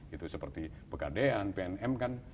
itu seperti pekadean pnm kan